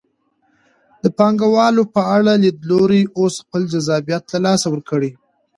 د پانګوالو په اړه لیدلوري اوس خپل جذابیت له لاسه ورکړی.